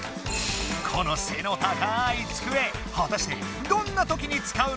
この背の高い机はたしてどんなときに使うのか？